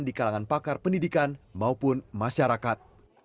di kalangan pakar pendidikan maupun masyarakat